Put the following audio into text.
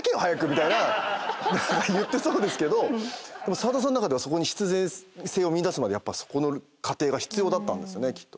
言ってそうですけどでも澤田さんの中ではそこに必然性を見いだすまでそこの過程が必要だったんですね。